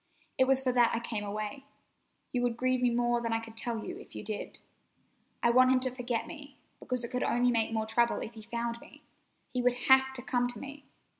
It was for that I came away. You would grieve me more than I can tell you if you did. I want him to forget me, because it could only make him trouble if he found me. He would have to come to me.